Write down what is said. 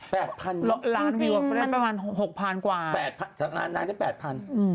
แปดพันล้านวิวเขาได้ประมาณหกพันกว่าแปดพันนางได้แปดพันอืม